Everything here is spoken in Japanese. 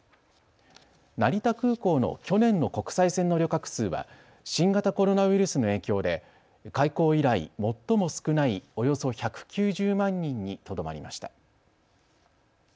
成田空港の去年の国際線の旅客数は新型コロナウイルスの影響で開港以来、最も少ないおよそ１９０万人にとどまりました。